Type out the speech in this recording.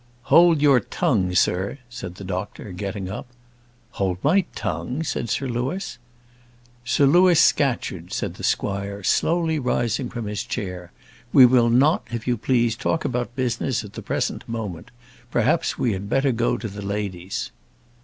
"Hold your tongue, sir," said the doctor, getting up. "Hold my tongue!" said Sir Louis. "Sir Louis Scatcherd," said the squire, slowly rising from his chair, "we will not, if you please, talk about business at the present moment. Perhaps we had better go to the ladies."